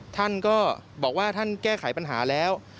ท่านก็บอกว่าท่านแก้ไขปัญหาแล้ว